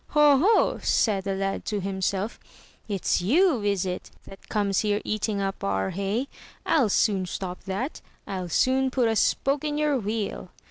Ho, ho!*' said the lad to himself, it's you is it, that comes here eating up our hay? FU soon stop that — FU soon put a spoke in your wheel.